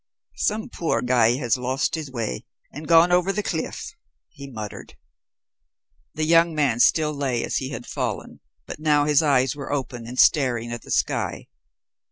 "Some poor guy has lost his way and gone over the cliff," he muttered. The young man still lay as he had fallen, but now his eyes were open and staring at the sky.